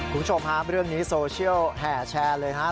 คุณผู้ชมฮะเรื่องนี้โซเชียลแห่แชร์เลยนะครับ